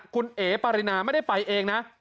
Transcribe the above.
คุณเอ๋ปารินาไม่ได้ไปเองนะ